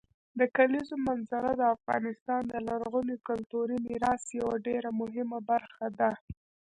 د کلیزو منظره د افغانستان د لرغوني کلتوري میراث یوه ډېره مهمه برخه ده.